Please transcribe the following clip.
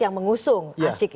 yang mengusung asik ya